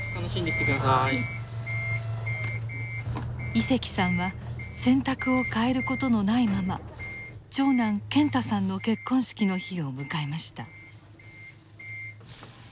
井関さんは選択を変えることのないまま長男健太さんの結婚式の日を迎えました。